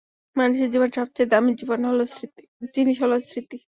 মানুষের জীবনের সবচেয়ে দামি জিনিস হলো স্মৃতি।